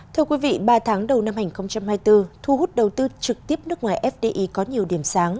thưa quý vị ba tháng đầu năm hai nghìn hai mươi bốn thu hút đầu tư trực tiếp nước ngoài fdi có nhiều điểm sáng